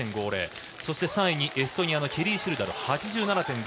そして３位にエストニアのケリー・シルダル８７．５０。